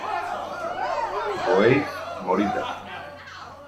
Kohei Morita